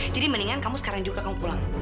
jadi mendingan kamu sekarang juga kamu pulang